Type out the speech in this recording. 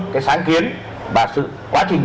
cái sáng kiến và sự quá trình